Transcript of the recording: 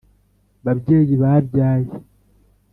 babyeyi babyaye